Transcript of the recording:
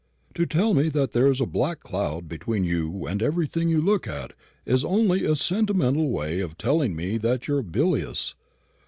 To tell me that there's a black cloud between you and everything you look at, is only a sentimental way of telling me that you're bilious.